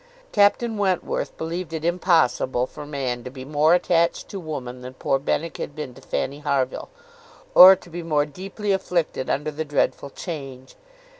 Captain Wentworth believed it impossible for man to be more attached to woman than poor Benwick had been to Fanny Harville, or to be more deeply afflicted under the dreadful change.